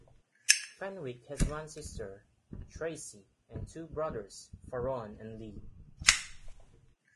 Fenwick has one sister, Tracey, and two brothers, Faron and Lee.